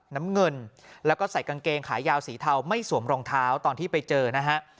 น้ำเงินแล้วก็ใส่กางเกงขายาวสีเทาไม่สวมรองเท้าตอนที่ไปเจอนะฮะ